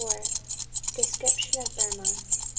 DESCRIPTION OF BURMAH.